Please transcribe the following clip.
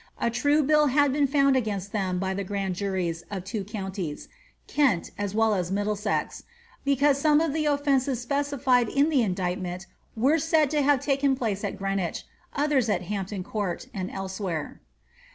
A true bill had been found against them by the grand juries of two counties, Kent as well as Mid dlesex, because some of the ofiences specified in the indictment were said to have taken place at Gieenwich, others at Hampton Conrt, and elsewhere.'